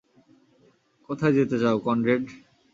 কোথায় যেতে চাও, কনরেড?